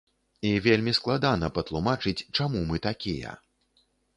І вельмі складана патлумачыць, чаму мы такія.